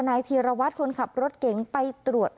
ธีรวัตรคนขับรถเก๋งไปตรวจ